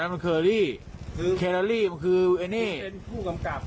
อ๋อแล้วมันคัลอรี่คาราลีมันคือมันเป็นผู้กำกับ